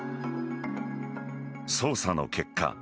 捜査の結果